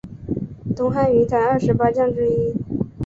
东汉云台二十八将之一。